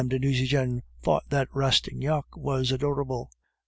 de Nucingen thought that Rastignac was adorable.